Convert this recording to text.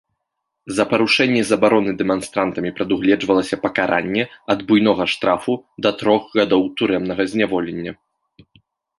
За парушэнне забароны дэманстрантамі прадугледжвалася пакаранне ад буйнога штрафу да трох гадоў турэмнага зняволення.